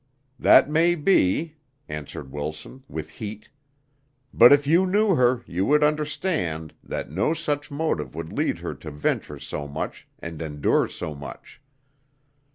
"That may be," answered Wilson, with heat. "But if you knew her, you would understand that no such motive would lead her to venture so much and endure so much.